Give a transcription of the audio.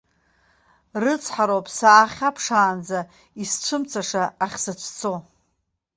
Рыцҳароуп саахьаԥшаанӡа исцәымцаша ахьсыцәцо.